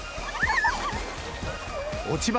落ち葉